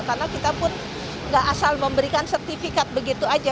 karena kita pun tidak asal memberikan sertifikat begitu saja